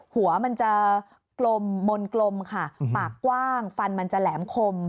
หัวมันจะกลมมนต์กลมค่ะปากกว้างฟันมันจะแหลมคม